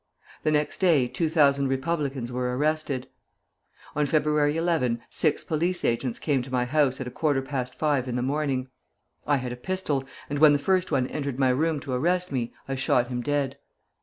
The next day two thousand republicans were arrested. On February 11 six police agents came to my house at a quarter past five in the morning. I had a pistol, and when the first one entered my room to arrest me, I shot him dead.